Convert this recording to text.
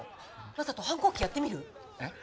正門反抗期やってみる⁉え？